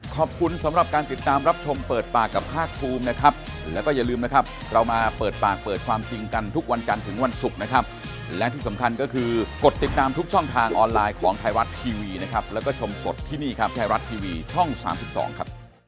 ขอบคุณนะครับแล้วก็ชมสดที่นี่ครับไทยรัดทีวีช่อง๓๒ครับ